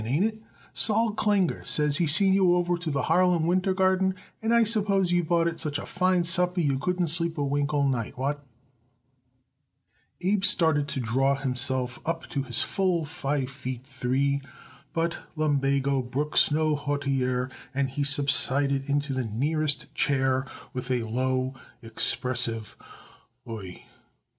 Ain't it? Sol Klinger says he seen you over to the Harlem Winter Garden, and I suppose you bought it such a fine supper you couldn't sleep a wink all night. What?" Abe started to draw himself up to his full five feet three, but lumbago brooks no hauteur, and he subsided into the nearest chair with a low, expressive "Oo ee!"